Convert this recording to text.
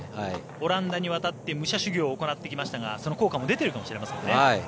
オランダに渡って武者修行を行ってきましたがその効果も出ているかもしれませんね。